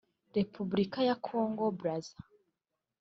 Repubulika ya Kongo Brazza